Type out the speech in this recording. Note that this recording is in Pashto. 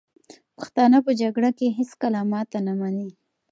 پښتانه په جګړه کې هېڅکله ماته نه مني.